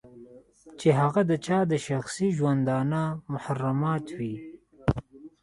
چې هغه د چا د شخصي ژوندانه محرمات وي.